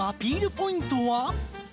ポイントは？